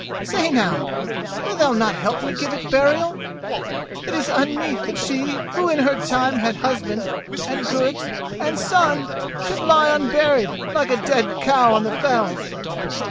"Say now, will thou not help me to give it burial? It is unmeet that she who in her time had husband, and goods, and son, should lie unburied like a dead cow on the fells.